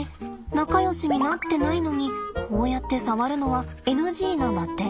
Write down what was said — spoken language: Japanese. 仲よしになってないのにこうやって触るのはＮＧなんだって。